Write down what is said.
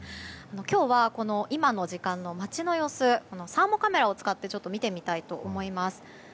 今日はこの今の時間の街の様子サーモカメラを使って見てみたいと思います。